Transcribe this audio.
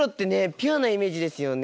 ピュアなイメージですよね。